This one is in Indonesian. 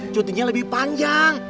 cutinya lebih panjang